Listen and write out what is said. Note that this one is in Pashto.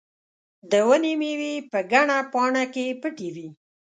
د ونې مېوې په ګڼه پاڼه کې پټې وې.